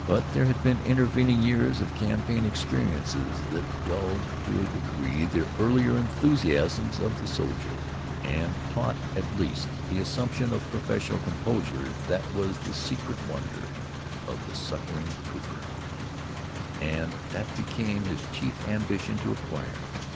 But there had been intervening years of campaign experiences that dulled to a degree the earlier enthusiasms of the soldier, and taught at least the assumption of professional composure that was the secret wonder of the suckling trooper, and that became his chief ambition to acquire.